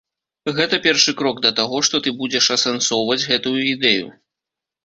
Гэта першы крок да таго, што ты будзеш асэнсоўваць гэтую ідэю.